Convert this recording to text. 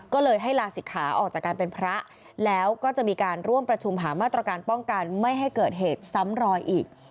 ก็เลยให้ลาศิกขาออกจากการเป็นพระแล้วก็จะมีการร่วมประชุมหามาตรการป้องกันไม่ให้เกิดเหตุซ้ำรอยอีก